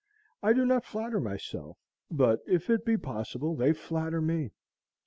I do not flatter myself, but if it be possible they flatter me.